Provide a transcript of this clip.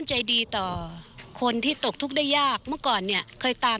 ส่วนบริษัทโรงการประกอบและชอบแต่อย่างหน้า